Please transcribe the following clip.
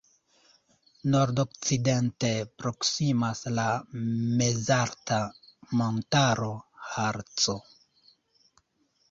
Nordokcidente proksimas la mezalta montaro Harco.